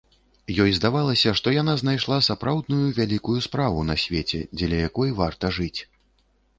Ёй здавалася, што яна знайшла сапраўдную вялікую справу на свеце, дзеля якой варта жыць.